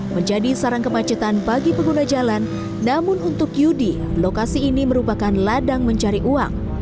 menjadi sarang kemacetan bagi pengguna jalan namun untuk yudi lokasi ini merupakan ladang mencari uang